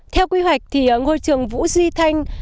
theo quy hoạch thì ngôi trường vũ duy thanh